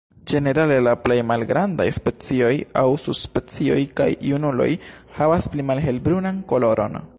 Ĝenerale la plej malgrandaj specioj aŭ subspecioj kaj la junuloj havas pli malhelbrunan koloron.